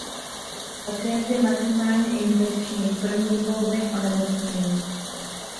Pacient je maximálně infekční v prvních dvou dnech onemocnění.